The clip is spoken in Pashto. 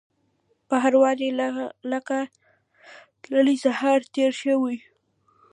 په هر واري لکه تللی سهار تیر شو